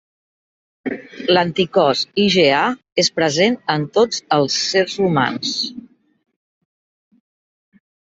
L'anticòs, IgA, és present en tots els sers humans.